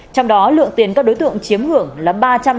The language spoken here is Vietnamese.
trong đó lượng tiền các đối tượng chiếm hưởng là ba trăm linh